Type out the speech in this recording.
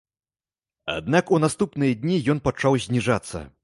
Аднак у наступныя дні ён пачаў зніжацца.